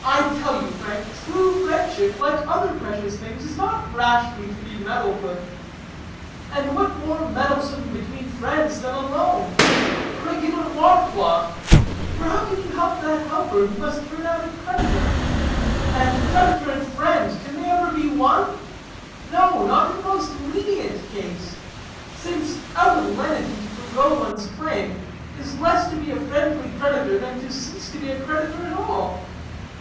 I tell you, Frank, true friendship, like other precious things, is not rashly to be meddled with. And what more meddlesome between friends than a loan? A regular marplot. For how can you help that the helper must turn out a creditor? And creditor and friend, can they ever be one? no, not in the most lenient case; since, out of lenity to forego one's claim, is less to be a friendly creditor than to cease to be a creditor at all.